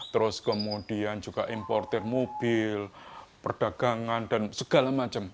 terus kemudian juga importer mobil perdagangan dan segala macam